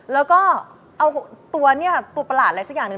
แล้วก็เอาตัวเนี่ยค่ะตัวประหลาดอะไรสักอย่างหนึ่ง